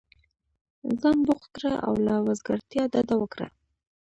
ځان بوخت كړه او له وزګارتیا ډډه وكره!